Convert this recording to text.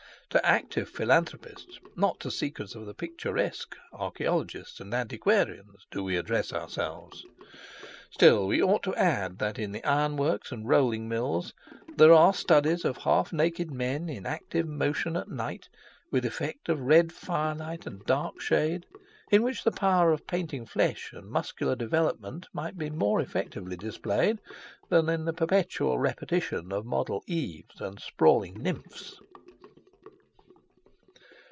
To active philanthropists, not to seekers of the picturesque, archaeologists, and antiquarians, do we address ourselves. Still we ought to add that, in the iron works and rolling mills, there are studies of half naked men in active motion at night, with effect of red firelight and dark shade, in which the power of painting flesh and muscular development might be more effectively displayed than in the perpetual repetition of model Eves and sprawling nymphs.